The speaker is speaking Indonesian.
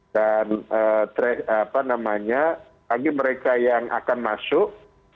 dan apa namanya bagi mereka yang akan masuk